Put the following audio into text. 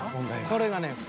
［これがね］